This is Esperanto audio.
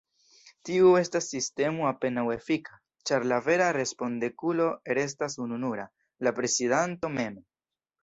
Tiu estas sistemo apenaŭ efika, ĉar la vera respondeculo restas ununura: la prezidanto mem.